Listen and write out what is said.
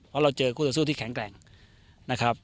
เพราะเราเจอคู่ต่อสู้ที่แข็งแกร่งนะครับ